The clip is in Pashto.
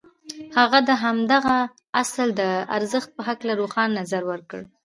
هغه د همدغه اصل د ارزښت په هکله روښانه نظر ورکړ.